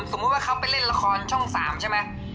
สมมุติว่าเขาไปเล่นละครช่อง๓ใช่ไหม